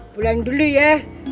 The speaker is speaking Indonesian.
pulang dulu ya